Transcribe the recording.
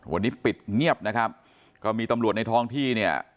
วันนี้ปิดเงียบนะครับก็มีตำรวจในท้องที่เนี่ย